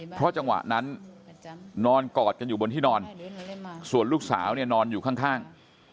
เพราะจังหวะนั้นนอนกอดกันอยู่บนที่นอนส่วนลูกสาวเนี่ยนอนอยู่ข้าง